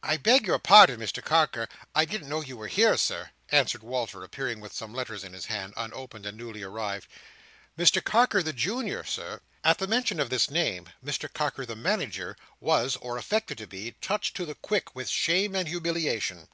"I beg your pardon, Mr Carker. I didn't know you were here, Sir," answered Walter; appearing with some letters in his hand, unopened, and newly arrived. "Mr Carker the junior, Sir—" At the mention of this name, Mr Carker the Manager was or affected to be, touched to the quick with shame and humiliation.